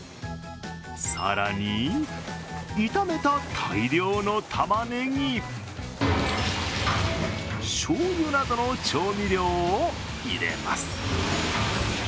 更に炒めた大量のたまねぎ、しょうゆなどの調味料を入れます。